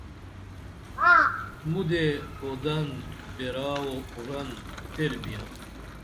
مودے اودن بیرا ورن تیر بیاں